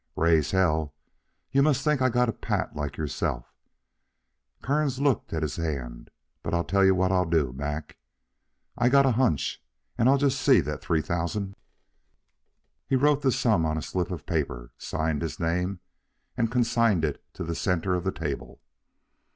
"Raise hell. You must think I got a pat like yourself." Kearns looked at his hand. "But I'll tell you what I'll do, Mac. "I've got a hunch, and I'll just see that three thousand." He wrote the sum on a slip of paper, signed his name, and consigned it to the centre of the table.